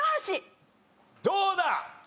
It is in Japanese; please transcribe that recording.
どうだ？